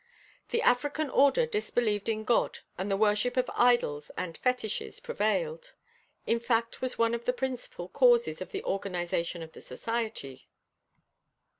The African order disbelieved in God and the worship of idols and fetiches prevailed: in fact was one of the principal causes of the organization of the society.